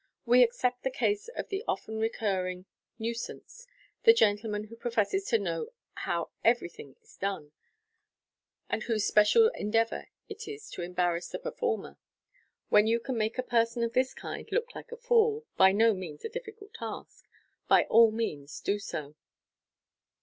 We except the case of the often recurring nuisance, the gentleman who professes to know how everything is done, and whose special endeavour it is to embarrass the performer. When you can make a person of this ' Hd look like a fool (by no means a difficult task) by all means do so.